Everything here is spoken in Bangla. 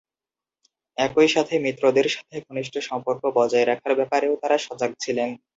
একই সাথে মিত্রদের সাথে ঘনিষ্ঠ সম্পর্ক বজায় রাখার ব্যাপারেও তারা সজাগ ছিলেন।